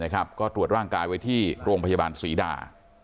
ก็ตรวจร่างกายไว้ที่โรงพยาบาลศรีดา